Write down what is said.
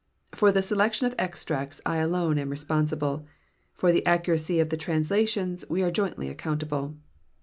For the selection of extracts I alone am responsible, for the accuracy of the translations we are jointly accountable.